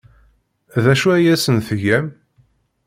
D acu ay asen-tgam?